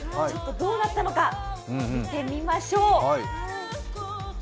どうなったのか見てみましょう。